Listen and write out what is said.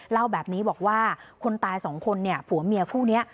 เล่าแบบนี้บอกว่าคนตายสองคนเนี่ยผัวเมียคู่นี้